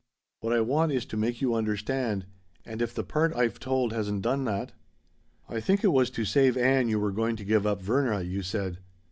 What I want is to make you understand, and if the part I've told hasn't done that "'I think it was to save Ann you were going to give up Verna,' you said.